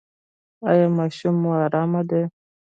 ایا ماشوم مو ارام دی؟